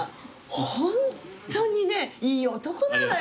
ホントにねいい男なのよ。